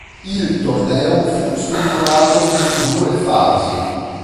Il torneo fu strutturato in due fasi.